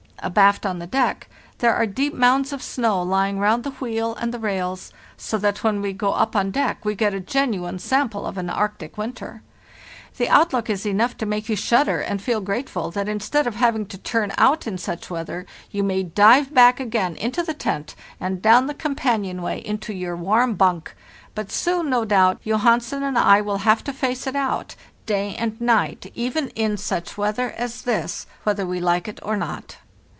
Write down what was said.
Abaft on the deck there are deep mounds of snow lying round the wheel and the rails, so that when we go up on deck we get a genuine sample of an Arctic winter. The outlook is enough to make you shudder, and feel grate ful that instead of having to turn out in such weather, you may dive back again into the tent, and down the companionway into your warm bunk; but soon, no doubt, Johansen and I will have to face it out, day and night, even in such weather as this, whether we like it or not.